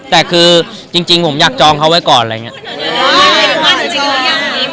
แต่เห็นหลังจากนี้ภายคุณด้วย